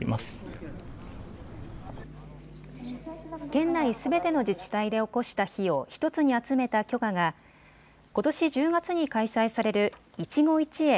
県内すべての自治体でおこした火を１つに集めた炬火がことし１０月に開催されるいちご一会